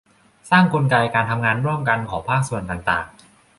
สร้างกลไกการทำงานร่วมกันของภาคส่วนต่างต่าง